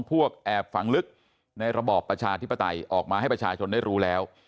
พวกแอบฝังลึกในระบอบประชาธิปไตยออกมาให้ประชาชนได้รู้แล้ว